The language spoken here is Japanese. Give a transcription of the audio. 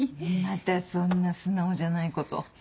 またそんな素直じゃないこと。